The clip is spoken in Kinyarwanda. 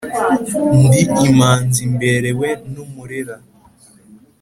Ndi imanzi mberewe n'umurera